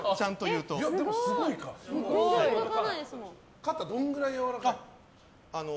肩どのぐらいやわらかいの？